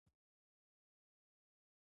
تهجد په نوافلو کې تر ټولو غوره لمونځ دی .